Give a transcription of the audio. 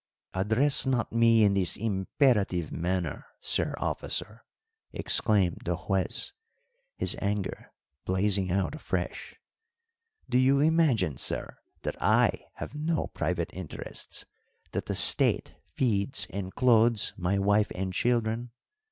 "Address not me in this imperative manner, sir officer!" exclaimed the Juez, his anger blazing out afresh. "Do you imagine, sir, that I have no private interests; that the State feeds and clothes my wife and children?